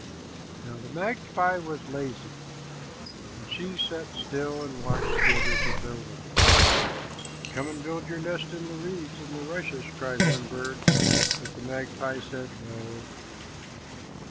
Now the magpie was lazy, and she sat still and watched the others at their work. "Come and build your nest in the reeds and rushes," cried one bird, but the magpie said "No."